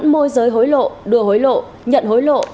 môi giới hối lộ đưa hối lộ nhận hối lộ